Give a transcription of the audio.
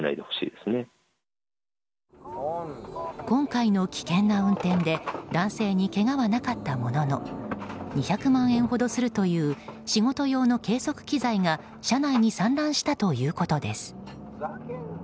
今回の危険な運転で男性にけがはなかったものの２００万円ほどするという仕事用の計測機材が車内に散乱したということです。